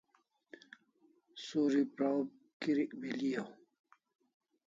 Suri praw kirik beli'au